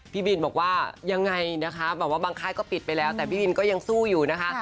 พี่บินบอกว่ายังไงนะคะแบบว่าบางค่ายก็ปิดไปแล้วแต่พี่บินก็ยังสู้อยู่นะคะ